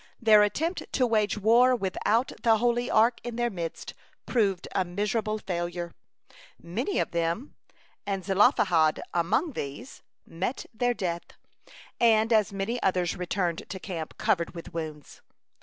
Their attempt to wage war without the Holy Ark in their midst proved a miserable failure. Many of them, and Zelophehad among these, met their death, and as many others returned to camp covered with wounds.